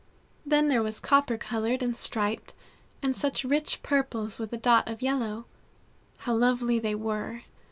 Then there was copper colored and striped, and such rich purples with a dot of yellow. How lovely they were!